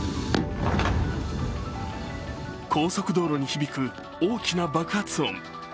高速道路に響く大きな爆発音。